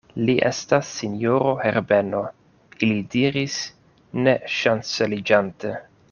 Li estas sinjoro Herbeno, ili diris ne ŝanceliĝante.